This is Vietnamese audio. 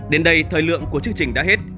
đến đây thời lượng của chương trình đã hết